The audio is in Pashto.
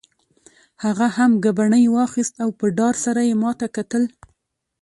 هغه هم ګبڼۍ واخیست او په ډار سره یې ما ته کتل.